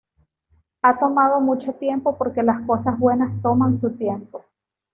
Ha tomado mucho tiempo porque las cosas buenas toman su tiempo.